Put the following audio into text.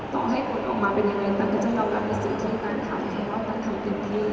ต้องให้คุณออกมาเป็นยังไงตั้งแต่จะทำถามเขาแปลว่าคุณทำเต็มที่